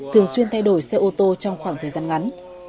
thường xuyên thay đổi xe ô tô trong khoảng thời gian ngắn